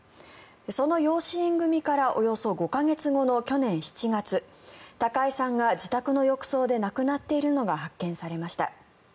その養子縁組からおよそ５か月後の去年７月高井さんが自宅の浴槽で亡くなっているのが発見されました。